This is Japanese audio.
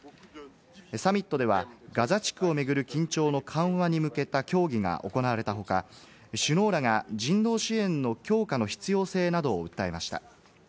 サミットではガザ地区を巡る緊張の緩和に向けた協議が行われた他、首脳らが人道支援の強化の必要性などを訴えました。